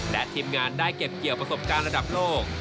และทีมงานได้เก็บเกี่ยวประสบการณ์ระดับโลก